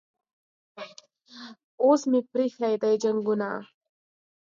اوس مې پریښي دي جنګونه